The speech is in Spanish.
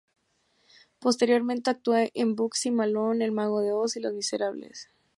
Posteriormente actuó en Bugsy Malone, El Mago de Oz y Los Miserables.